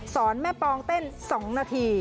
แม่ปองเต้น๒นาที